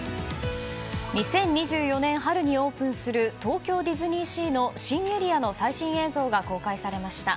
２０２４年春にオープンする東京ディズニーシーの新エリアの最新映像が公開されました。